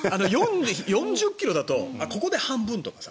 ４０ｋｍだとここで半分とかさ